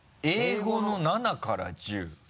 英語の７から１０？